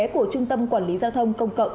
của trung tâm quản lý giao thông công cộng